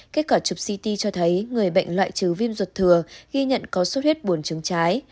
kết quả chụp ct cho thấy người bệnh loại trừ viêm ruột thừa ghi nhận có xuất huyết buồn trứng trái